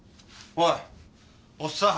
おいおっさん！